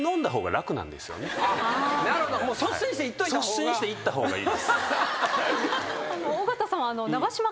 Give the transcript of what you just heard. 率先していった方がいいです。